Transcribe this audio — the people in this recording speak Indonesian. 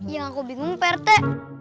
yang aku bingung pak rete